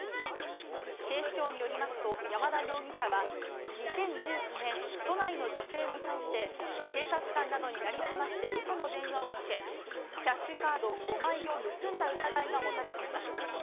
警視庁によりますと、山田容疑者は２０１９年、都内の女性に対して、警察官などに成り済ましてうその電話をかけ、キャッシュカード５枚を盗んだ疑いが持たれています。